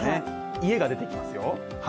家が出てきますよ。